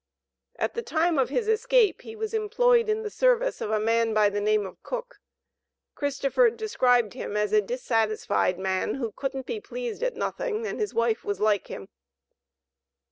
At the time of his escape, he was employed in the service of a man by the name of Cook. Christopher described him as "a dissatisfied man, who couldn't be pleased at nothing and his wife was like him."